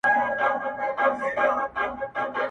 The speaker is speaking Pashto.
د سیند پر غاړه به زنګیږي ونه٫